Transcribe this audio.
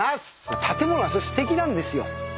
建物がすごいすてきなんですよ。